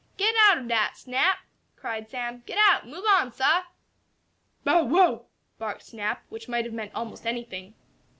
"Get out ob dat, Snap!" cried Sam. "Get out! Move on, sah!" "Bow wow!" barked Snap, which might have meant almost anything.